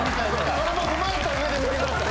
それも踏まえた上で見てください。